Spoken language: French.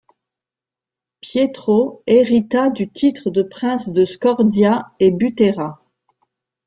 Pietro hérita du titre de Prince de Scordia et Butera.